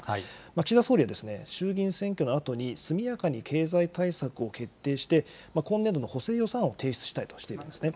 岸田総理は衆議院選挙のあとに、速やかに経済対策を決定して、今年度の補正予算案を提出したいとしているんですね。